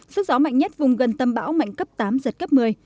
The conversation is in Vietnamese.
sức gió mạnh nhất vùng gần tâm bão mạnh cấp tám giật cấp một mươi